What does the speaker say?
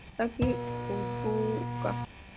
Saki Fukuda